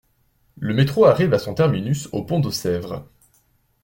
Le métro arrive à son terminus au pont de Sèvres.